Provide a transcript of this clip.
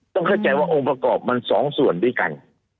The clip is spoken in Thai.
ต้องเข้าใจว่าองค์ประกอบมันสองส่วนด้วยกัน